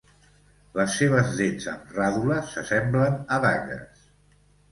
Les seves dents amb ràdula s'assemblen a dagues.